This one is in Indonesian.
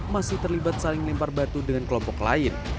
masih terlibat saling lempar batu dengan kelompok lain